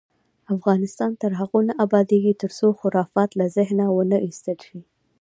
افغانستان تر هغو نه ابادیږي، ترڅو خرافات له ذهنه ونه ایستل شي.